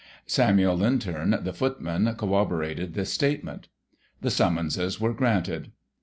Samuel Linturn, the footman, corroborated this statement. The summonses were granted.